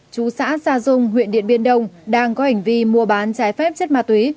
chú xã sa dung huyện điện biên đông đang có hành vi mua bán trái phép chất ma túy